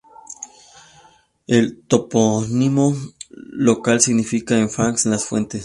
El topónimo local significa en fang "Las Fuentes".